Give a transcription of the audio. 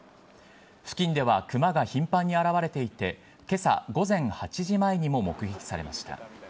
付近では、熊が頻繁に表れていて、けさ午前８時前にも目撃されました。